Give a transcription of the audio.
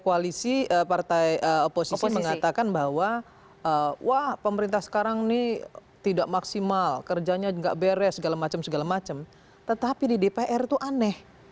koalisi partai partai bahwa wah pemerintah sekarang nih tidak maksimal kerjanya nggak beres segala book